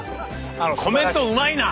コメントうまいな！